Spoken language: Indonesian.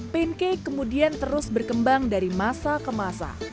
pancake kemudian terus berkembang dari masa ke masa